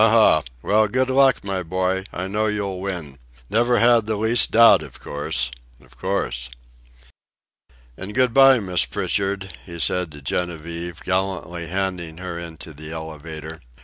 ha! Well, good luck, my boy! I know you'll win. Never had the least doubt, of course, of course." "And good by, Miss Pritchard," he said to Genevieve, gallantly handing her into the elevator.